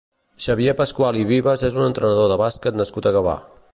Xavier Pascual i Vives és un entrenador de bàsquet nascut a Gavà.